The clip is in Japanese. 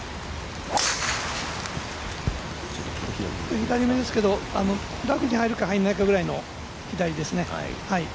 左目ですけど、ラフに入るか入らないかの左目ですね。